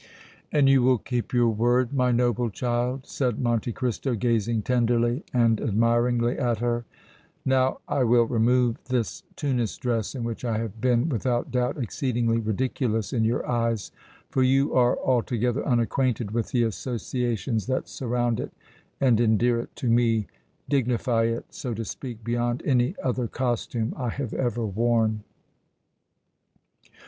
"And you will keep your word, my noble child!" said Monte Cristo, gazing tenderly and admiringly at her. "Now I will remove this Tunis dress in which I have been, without doubt, exceedingly ridiculous in your eyes, for you are altogether unacquainted with the associations that surround it and endear it to me, dignify it, so to speak, beyond any other costume I have ever worn!"